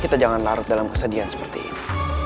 kita jangan larut dalam kesedihan seperti ini